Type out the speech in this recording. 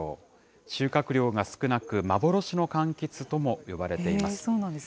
収穫量が少なく、幻のかんきつとも呼ばれています。